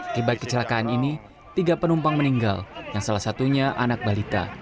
akibat kecelakaan ini tiga penumpang meninggal yang salah satunya anak balita